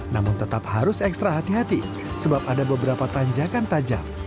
namun tetap harus ekstra hati hati sebab ada beberapa tanjakan tajam